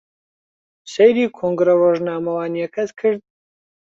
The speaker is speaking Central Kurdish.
سەیری کۆنگرە ڕۆژنامەوانییەکەت کرد؟